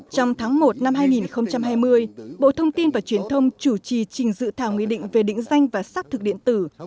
trong tháng một năm hai nghìn hai mươi bộ thông tin và truyền thông chủ trì trình dự thảo nghị định về định danh và xác thực điện tử